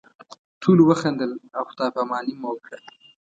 ټولو وخندل او خدای پاماني مو وکړه.